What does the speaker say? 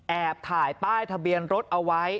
แอบถ่ายป้ายทะเบียนรถเอาไว้